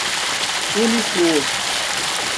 Uniflor